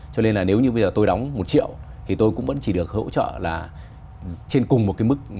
cho nên là nếu như bây giờ tôi đóng một triệu thì tôi cũng vẫn chỉ được hỗ trợ là trên cùng một cái mức